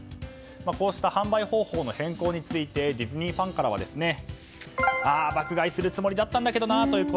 こうした販売方法の変更についてディズニーファンからは爆買いするつもりだったんだけどなという声。